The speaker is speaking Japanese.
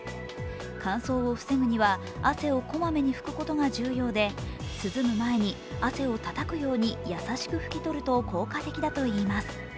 乾燥を防ぐには汗をこまめに拭くことが重要で涼む前に汗をたたくように優しく拭き取ると効果的だといいます。